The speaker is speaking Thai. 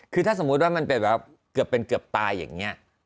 คือถ้าสมมุติว่ามันเป็นแบบเกือบเป็นเกือบตายอย่างนี้